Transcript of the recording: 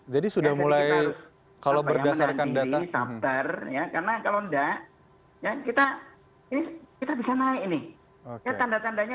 jadi sudah mulai kalau berdasarkan data karena kalau nggak minta kita ini herbert aideuk adanya